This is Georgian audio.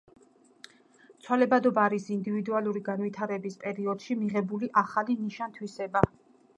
ცვალებადობა არის ინდივიდუალური განვითარების პერიოდში მიღებული ახალი ნიშან - თვისება.